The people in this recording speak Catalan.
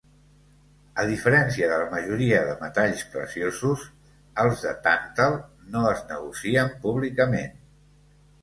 A diferència de la majoria de metalls preciosos, els de tàntal no es negocien públicament.